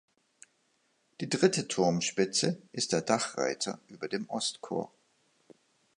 Die dritte Turmspitze ist der Dachreiter über dem Ostchor.